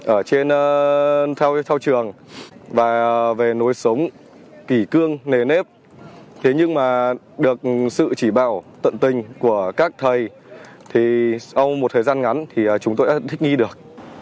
ở trên sau trường và về nối sống kỷ cương nề nếp thế nhưng mà được sự chỉ bảo tận tình của các thầy thì sau một thời gian ngắn thì chúng tôi đã thích nghi được